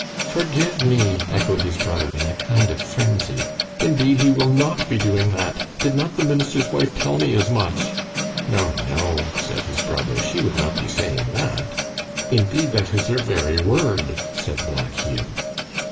"Forgive me!" echoed his brother, in a kind of frenzy. "Indeed, he will not be doing that. Did not the minister's wife tell me as much?" "No, no," said his brother. "She would not be saying that." "Indeed, that is her very word," said Black Hugh.